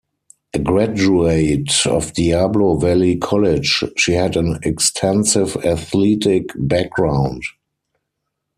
A graduate of Diablo Valley College, she had an extensive athletic background.